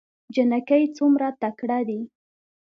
جينکۍ څومره تکړه دي